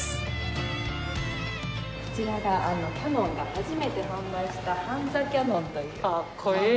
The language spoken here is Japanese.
こちらがキヤノンが初めて販売したハンザ・キヤノンという。